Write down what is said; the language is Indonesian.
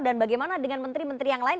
dan bagaimana dengan menteri menteri yang lain